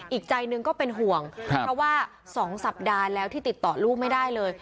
อีกใจหนึ่งก็เป็นห่วงเพราะว่า๒สัปดาห์แล้วที่ติดต่อลูกไม่ได้เลย